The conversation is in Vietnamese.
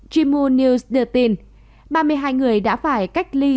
jimu news đưa tin ba mươi hai người đã phải cách ly